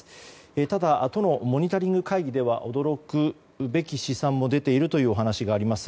ただ、都のモニタリング会議では驚くべき試算も出ているというお話があります。